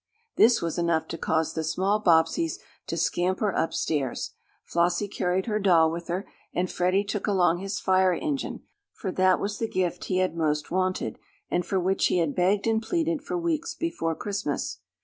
This was enough to cause the small Bobbseys to scamper upstairs. Flossie carried her doll with her, and Freddie took along his fire engine, for that was the gift he had most wanted, and for which he had begged and pleaded for weeks before Christmas.